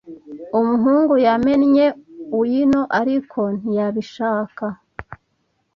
Umuhungu yamennye wino, ariko ntiyabishaka.